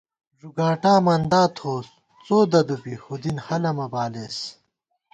ݫُگاٹامندا تھووُس څو ددُوپی ہُودِن ہَلہ مہ بالېس